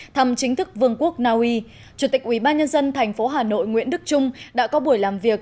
thăm chính thức vương quốc naui chủ tịch ubnd tp hà nội nguyễn đức trung đã có buổi làm việc